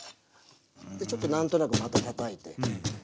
ちょっと何となくまたたたいて。